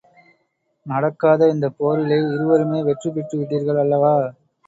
நடக்காத இந்தப் போரிலே, இருவருமே வெற்றி பெற்றுவிட்டீர்கள் அல்லவா?